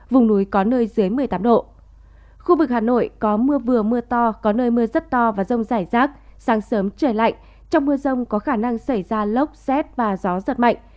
phía đông bắc bộ có mưa vừa mưa to có nơi mưa rất to trời lạnh trong mưa rông có khả năng xảy ra lốc rét và gió giật mạnh